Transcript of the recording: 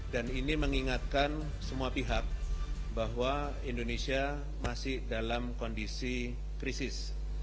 ini mengingatkan semua pihak bahwa indonesia masih dalam kondisi krisis